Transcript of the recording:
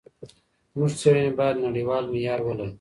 زموږ څېړني باید نړیوال معیار ولري.